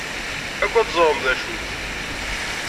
Akken ad teẓrem d acu-t.